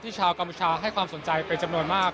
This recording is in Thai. ชาวกัมพูชาให้ความสนใจเป็นจำนวนมาก